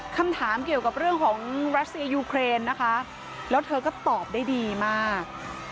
คำถามเกี่ยวกับเรื่องของรัสเซียยูเครนนะคะแล้วเธอก็ตอบได้ดีมาก